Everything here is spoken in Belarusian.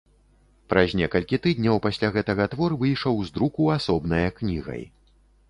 Праз некалькі тыдняў пасля гэтага твор выйшаў з друку асобнае кнігай.